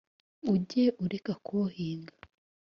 ujye ureka kubuhinga .